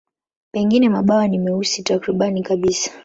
Pengine mabawa ni meusi takriban kabisa.